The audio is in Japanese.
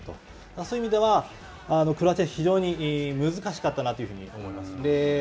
そういう意味では、クロアチア、非常に難しかったなというふうに思います。